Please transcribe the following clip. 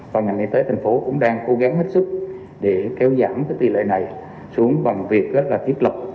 và ngành y tế thành phố cũng đang cố gắng hết sức để kéo giảm tỷ lệ này xuống bằng việc thiết lập